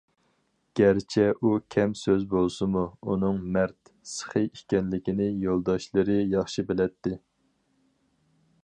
گەرچە ئۇ كەم سۆز بولسىمۇ، ئۇنىڭ مەرد، سېخى ئىكەنلىكىنى يولداشلىرى ياخشى بىلەتتى.